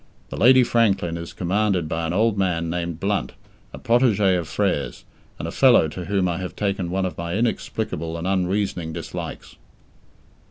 The Lady Franklin is commanded by an old man named Blunt, a protegé of Frere's, and a fellow to whom I have taken one of my inexplicable and unreasoning dislikes.